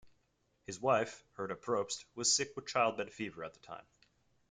His wife, Herta Probst, was sick with childbed fever at the time.